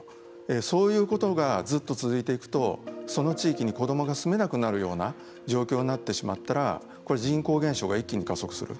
そういうことがずっと続いていくとその地域に子どもが住めなくなるような状況になってしまったらこれ人口減少が一気に加速する。